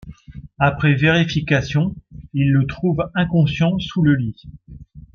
Après vérification, il le trouve inconscient sous le lit.